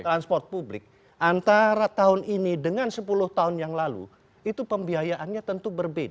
transport publik antara tahun ini dengan sepuluh tahun yang lalu itu pembiayaannya tentu berbeda